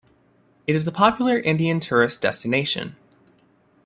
It is a popular Indian tourist destination.